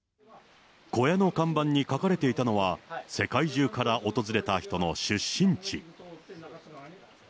小屋の看板に書かれていたのは、世界中から訪れた人の出身地。